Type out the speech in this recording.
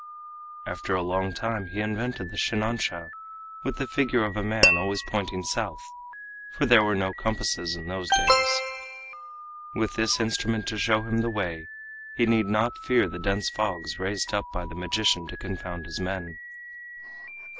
After a long time he invented the shinansha with the figure of a man always pointing South, for there were no compasses in those days. With this instrument to show him the way he need not fear the dense fogs raised up by the magician to confound his men.